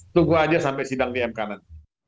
tunggu saja sampai sidang dm kanan